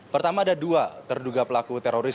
pertama ada dua terduga pelaku teroris